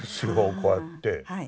こうやって。